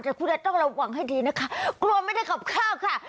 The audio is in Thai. แต่คุณจะต้องระวังให้ดีนะคะกลัวไม่ได้ขับข้าวค่ะ